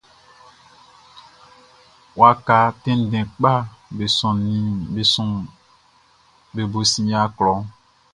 Waka tɛnndɛn kpaʼm be bo sin yia klɔʼn.